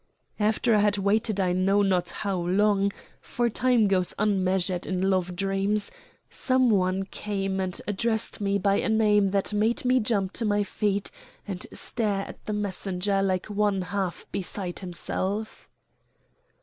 After I had waited I know not how long, for time goes unmeasured in love dreams, some one came and addressed me by a name that made me jump to my feet and stare at the messenger like one half beside himself.